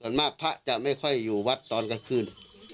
ส่วนมากพระจะไม่ค่อยอยู่วัดตอนกลางคืน